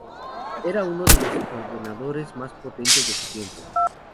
Era uno de los ordenadores más potentes de su tiempo.